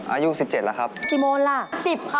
อายุสิบเจ็ดค่ะครับสิบโมงล่ะสิบจะ